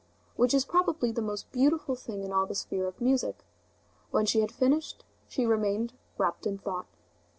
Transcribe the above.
which is probably the most beautiful thing in all the sphere of music. When she had finished, she remained wrapped in thought.